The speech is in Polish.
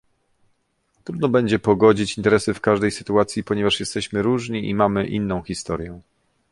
Trudno będzie pogodzić interesy w każdej sytuacji, ponieważ jesteśmy różni i mamy inną historię